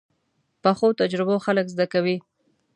پخو تجربو خلک زده کوي